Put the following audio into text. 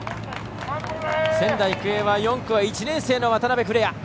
仙台育英は４区は１年生の渡邉来愛。